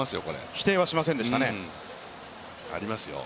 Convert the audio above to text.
否定はしませんでしたね。